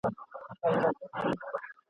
چي د شېخ د سر جنډۍ مي نڅوله !.